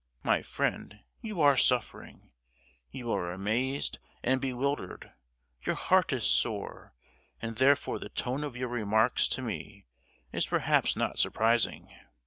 —my friend, you are suffering—you are amazed and bewildered; your heart is sore, and therefore the tone of your remarks to me is perhaps not surprising.